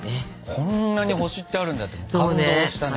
こんなに星ってあるんだって感動したね。